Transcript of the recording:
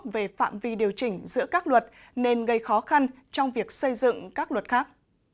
về phạm vi điều chỉnh giữa các luật nên gây khó khăn trong việc xây dựng các luật khác